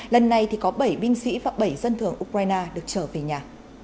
lần này thì có bảy binh sĩ và bảy dân thường ukraine được trở về nhà